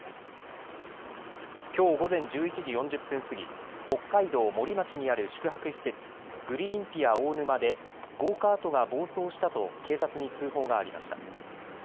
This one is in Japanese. きょう午前１１時４０分過ぎ、北海道森町にある宿泊施設、グリーンピア大沼で、ゴーカートが暴走したと、警察に通報がありました。